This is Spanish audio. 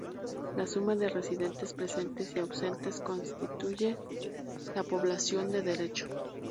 La suma de residentes presentes y ausentes constituye la población de derecho.